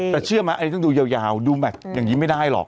แต่เชื่อมะต้องดูยาวดูแบบอย่างนี้ไม่ได้หรอก